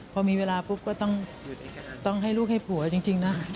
พอมีเวลาปุ๊บก็ต้องให้ลูกให้ผัวจริงนะ